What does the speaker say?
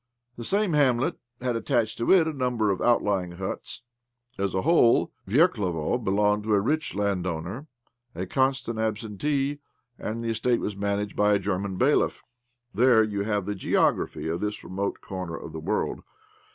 The same hamlet had attached to it a number of outlying huts. As a whole, Verklevo belonged to a rich landowner, a constant absentee, and the estate was managed by a German bailiff. There you have the geography of this remote corner of the world.